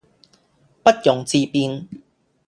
不容置辯